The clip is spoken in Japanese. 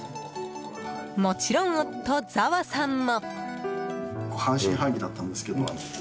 もちろん夫、ざわさんも。